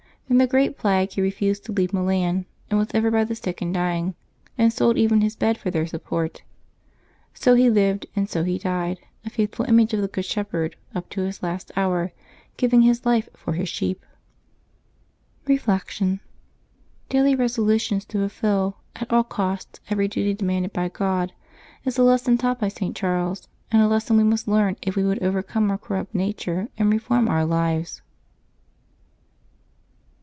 During the great plague he refused to leave Milan, and was ever by the sick and dying, and sold even his bed for their support. So he lived and so he died, a faithful image of the Good Shepherd, up to his last hour giving his life for his sheep. Reflection. — Daily resolutions to fulfil, at all cost, every duty demanded by God, is the lesson taught by St. Charles ; and a lesson we must learn if we would overcome our cor rupt nature and reform our lives.